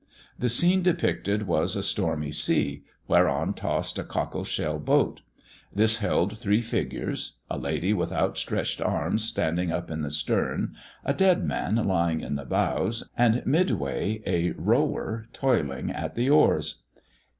The scene depicted was a stormy sea, whereon tossed a cockle shell boat. This held three figures, a lady with outstretched arms standing up in the stern, a dead man lying in the bows, and midway a rower toiling at the oars.